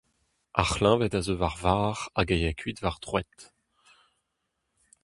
Ar c'hleñved a zeu war varc'h, hag a ya kuit war droad.